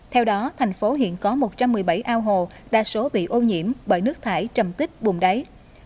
theo đó thành phố hiện có một trăm một mươi bảy ao hồ đa số bị ô nhiễm bởi nước thải trầm tích bùm đáy